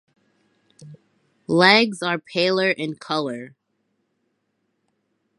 Legs are paler in colour.